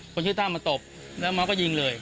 คนชื่อต่างมาตบแล้วเปิดเงียบเลย